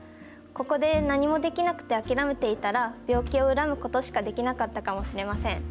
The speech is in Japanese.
ここで何もできなくて諦めていたら、病気を恨むことしかできなかったかもしれません。